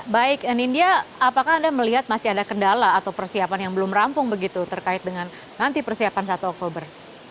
baik nindya apakah anda melihat masih ada kendala atau persiapan yang belum rampung begitu terkait dengan nanti persiapan satu oktober